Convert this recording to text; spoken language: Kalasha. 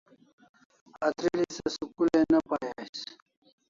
Atril'i se school ai ne pai ais